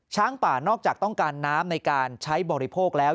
ช้างป่านอกจากต้องการน้ำในการใช้บริโภคแล้ว